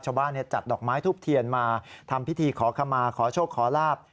ชาวบ้านจัดดอกไม้ทูบเทียนมาทำพิธีขอขมาขอโชคขอลาบ